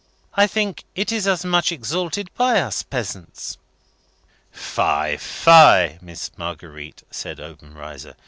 "I think it is as much exalted by us peasants." "Fie, fie, Miss Marguerite," said Obenreizer.